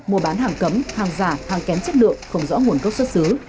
mua bán hàng cấm hàng giả hàng kém chất lượng không rõ nguồn gốc xuất xứ